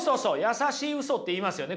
優しいウソって言いますよね